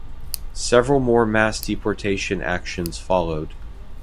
Several more mass deportation actions followed.